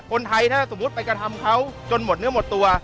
คนไทยถ้าสมมุติไปกระทำเขาจนหมดเนื้อหมดตัว